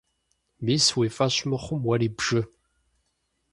Мис, уи фӀэщ мыхъум, уэри бжы.